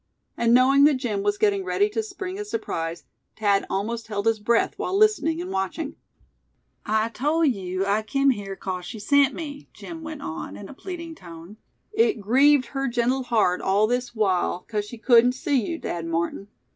And knowing that Jim was getting ready to spring his surprise, Thad almost held his breath while listening and watching. "I tole yeou I kim here 'cause she sent me," Jim went on, in a pleading tone. "It grieved her gentle heart all this while 'cause she cudn't see yeou, Dad Martin.